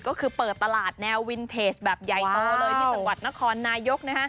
ก็คือเปิดตลาดแนววินเทจแบบใหญ่โตเลยที่จังหวัดนครนายก